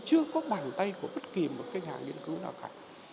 chưa có bàn tay của bất kỳ một cái nhà nghiên cứu nào cả